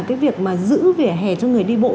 cái việc mà giữ vỉa hè cho người đi bộ